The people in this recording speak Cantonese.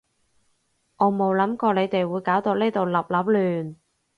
我冇諗過你哋會搞到呢度笠笠亂